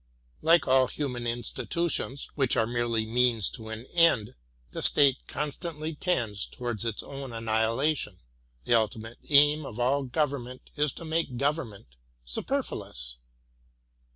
Like all human institutions, THE VOCATION OF MAN IN SOCIETY. 31 which arc merely means to an end, the State constantly tends towards its own annihilation ; the ultimate aim of all government is to make government superfluous.